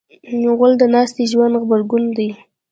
غول د ناستې ژوند غبرګون دی.